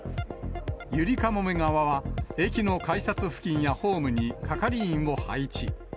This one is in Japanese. ゆりかもめ側は、駅の改札付近やホームに係員を配置。